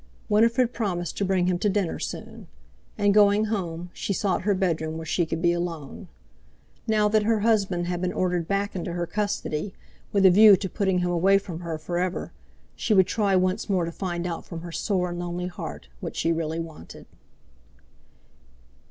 Winifred promised to bring him to dinner soon. And, going home, she sought her bedroom where she could be alone. Now that her husband had been ordered back into her custody with a view to putting him away from her for ever, she would try once more to find out from her sore and lonely heart what she really wanted.